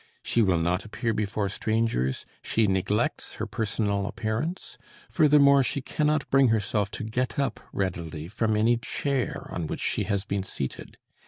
She will not appear before strangers, she neglects her personal appearance; furthermore, she cannot bring herself to get up readily from any chair on which she has been seated.